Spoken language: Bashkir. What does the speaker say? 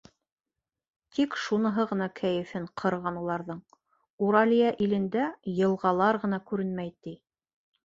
Тик шуныһы ғына кәйефен ҡырған уларҙың: Уралиә илендә йылғалар ғына күренмәй, ти.